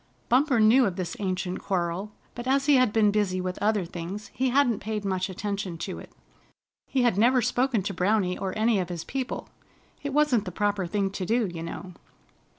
Bumper knew of this ancient quarrel, but as he had been busy with other things he hadn't paid much attention to it. He had never spoken to Browny or any of his people. It wasn't the proper thing to do, you know.